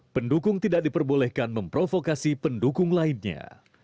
pendukung tidak diperbolehkan memprovokasi pendukung lainnya